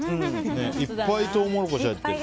いっぱいトウモロコシ入ってる。